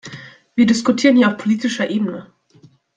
Wir diskutieren hier auf politischer Ebene.